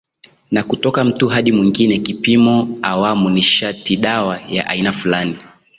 na kutoka mtu hadi mwingine Kipimo awamu nishatidawa ya aina fulani